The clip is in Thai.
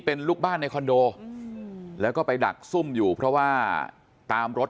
เป็นลูกบ้านในคอนโดแล้วก็ไปดักซุ่มอยู่เพราะว่าตามรถ